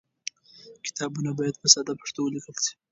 کتابونه باید په ساده پښتو ولیکل شي.